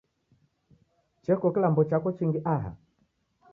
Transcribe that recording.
Cheko kilambo chako chingi aha?